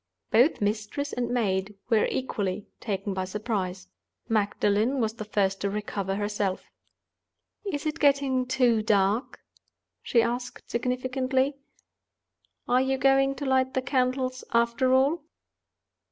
Both mistress and maid were equally taken by surprise. Magdalen was the first to recover herself. "Is it getting too dark?" she asked, significantly. "Are you going to light the candles, after all?"